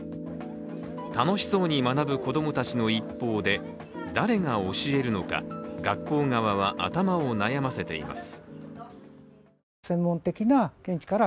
楽しそうに学ぶ子供たちの一方で誰が教えるのか、学校側は頭を悩ませています。